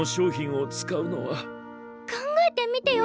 考えてみてよ